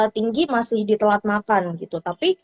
tinggi masih ditelat makan gitu tapi